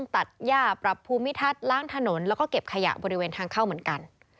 ตัดย่าปรับภูมิทัศน์ล้างถนนแล้วก็เก็บขยะบริเวณทางเข้าเหมือนกัน